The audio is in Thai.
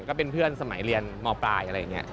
ก็เป็นเพื่อนสมัยเรียนมปลายอะไรอย่างนี้